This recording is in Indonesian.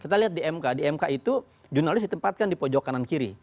kita lihat di mk di mk itu jurnalis ditempatkan di pojok kanan kiri